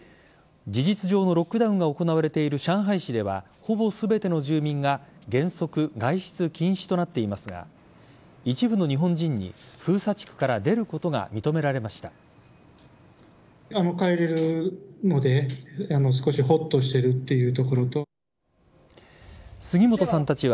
事実上のロックダウンが行われている上海市ではほぼ全ての住民が原則、外出禁止となっていますが一部の日本人に封鎖地区から出ることが認められました。